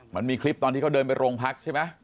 มันมีคลิปตอนที่เขาเดินไปโรงพักใช่ไหม